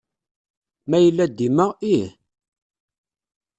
Ma yella dima, ih.